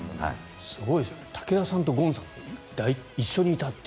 すごいですよね武田さんとゴンさんが一緒にいたと。